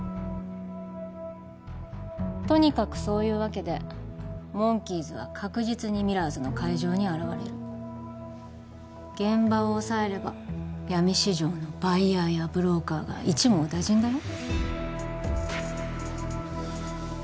とにかくそういうわけでモンキーズは確実にミラーズの会場に現れる現場を押さえれば闇市場のバイヤーやブローカーが一網打尽だよ？